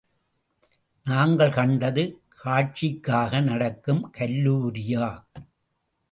நாங்கள் கண்டது காட்சிக்காக நடக்கும் கல்லூரியா?